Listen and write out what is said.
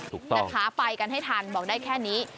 นะคะไปกันให้ทันบอกได้แค่นี้